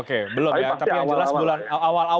oke belum ya tapi yang jelas bulan awal